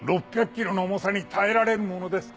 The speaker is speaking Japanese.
６００ｋｇの重さに耐えられるものです。